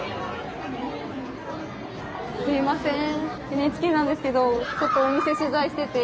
すみません。